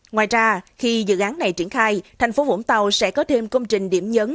ngoài ra khi dự án này triển khai tp vũng tàu sẽ có thêm công trình điểm nhấn